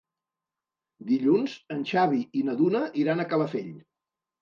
Dilluns en Xavi i na Duna iran a Calafell.